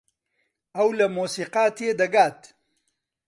ئەو لە مۆسیقا تێدەگات.